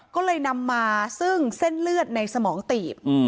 ก็เลยนำมาซึ่งเส้นเลือดในสมองตีบ